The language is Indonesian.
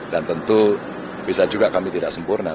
dan tentu bisa juga kami tidak sempurna